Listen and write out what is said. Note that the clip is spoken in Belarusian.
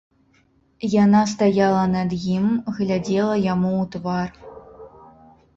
Яна стаяла над ім, глядзела яму ў твар.